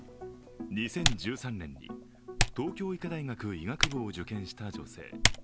２０１３年に東京医科大学医学部を受験した女性。